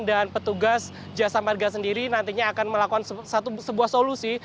dan petugas jasa marga sendiri nantinya akan melakukan sebuah solusi